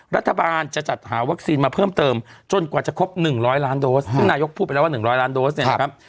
รัฐบาลจะจัดหาวัคซีนมาเพิ่มเติมจนกว่าจะครบ๑๐๐ล้านโดสซึ่งนายกพูดไปแล้วว่า๑๐๐ล้านโดสเนี่ยนะครับ